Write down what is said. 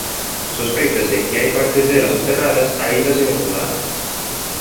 Sospéitase que hai partes dela soterradas aínda sen estudar.